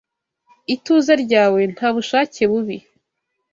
ituze ryawe nta bushake bubi